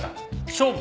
勝負。